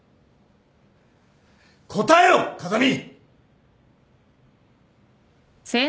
答えろ風見！